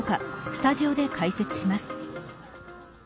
スタジオで解説します。